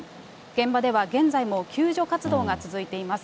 現場では現在も救助活動が続いています。